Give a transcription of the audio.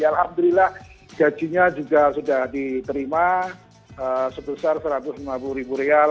alhamdulillah jadinya juga sudah diterima sebesar satu ratus lima puluh ribu rial